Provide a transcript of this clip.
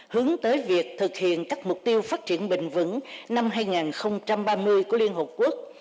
hướng tới việc thực hiện các mục tiêu phát triển bình vững năm hai nghìn ba mươi của liên hợp quốc